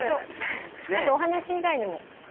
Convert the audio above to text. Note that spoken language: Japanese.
あと、お話し以外にも。